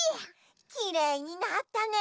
きれいになったね！